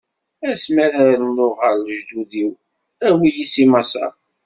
Ass mi ara rnuɣ ɣer lejdud-iw, awi-yi si Maṣer.